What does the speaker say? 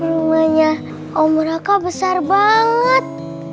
rumahnya om mereka besar banget